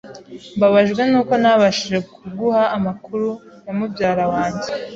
Mbabajwe nuko ntabashije kuguha amakuru ya mubyara wanjye.